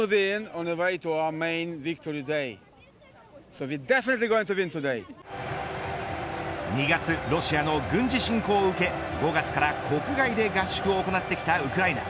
そこには戦禍の２月ロシアの軍事侵攻を受け５月から国外で合宿を行ってきたウクライナ。